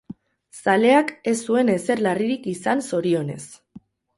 Zaleak ez zuen ezer larririk izan zorionez.